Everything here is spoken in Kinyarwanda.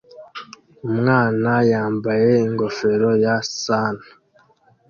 umwana yambaye ingofero ya Santa